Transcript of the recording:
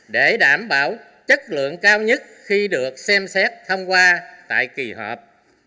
để đảm bảo chất lượng cao nhất khi được xem xét thông qua tại kỳ họp